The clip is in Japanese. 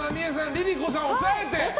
ＬｉＬｉＣｏさんを抑えて！